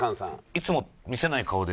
いつも見せない顔で。